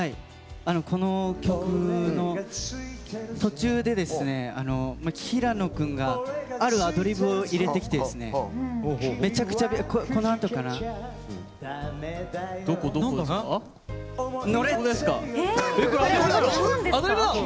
この曲の途中で平野くんがあるアドリブを入れてきてめちゃくちゃ、このあと。そうなの！